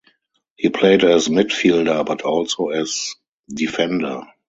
He played as midfielder but also as defender.